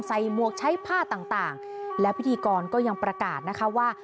หมวกใช้ผ้าต่างและพิธีกรก็ยังประกาศนะคะว่า